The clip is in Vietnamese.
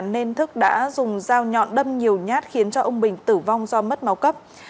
nên thức đã dùng dao nhọn đâm nhiều nhát khiến ông bình tử vong do mất máu cấp